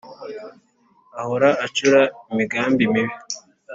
ahora acura imigambi mibi